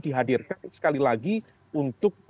dihadirkan sekali lagi untuk